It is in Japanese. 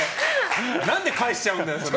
何で返しちゃうんだよ！